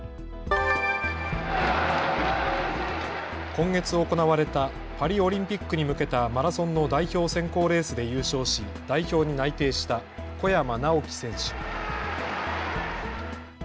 今月行われたパリオリンピックに向けたマラソンの代表選考レースで優勝し代表に内定した小山直城選手。